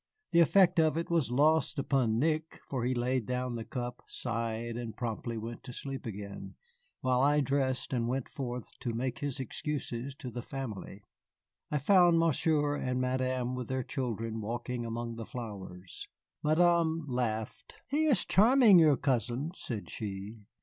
The effect of it was lost upon Nick, for he laid down the cup, sighed, and promptly went to sleep again, while I dressed and went forth to make his excuses to the family. I found Monsieur and Madame with their children walking among the flowers. Madame laughed. "He is charming, your cousin," said she.